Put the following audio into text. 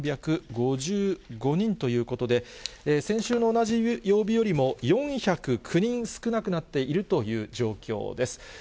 ４３５５人ということで、先週の同じ曜日よりも、４０９人少なくなっているという状況です。